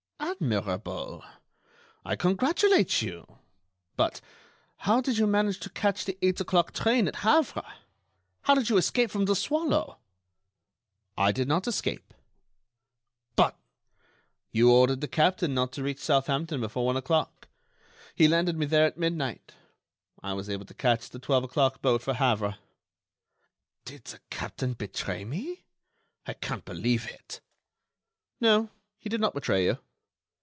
"Admirable! I congratulate you. But how did you manage to catch the eight o'clock train at Havre? How did you escape from The Swallow?" "I did not escape." "But——" "You ordered the captain not to reach Southampton before one o'clock. He landed me there at midnight. I was able to catch the twelve o'clock boat for Havre." "Did the captain betray me? I can't believe it." "No, he did not betray you."